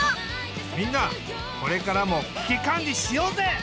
みんなこれからも危機管理しようぜ！